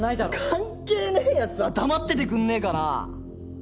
関係ねえ奴は黙っててくんねえかな？